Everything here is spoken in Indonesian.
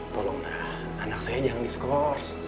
tolonglah anak saya jangan diskors